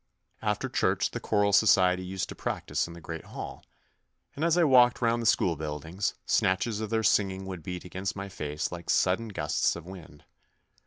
After church the choral society used to prac tise in the Great Hall, and as I walked round the school buildings, snatches of their singing would beat against my face like sudden gusts of wind.